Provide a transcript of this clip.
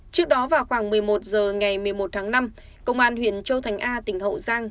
trước đó vào khoảng một mươi một h ngày một mươi một tháng năm công an huyện châu thành a tỉnh hậu giang